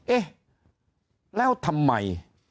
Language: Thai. เอ๊ะแล้วทำไม